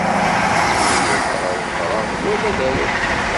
Smenyafeɣ ad ɣreɣ wala ad aruɣ.